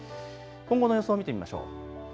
今後の予想を見てみましょう。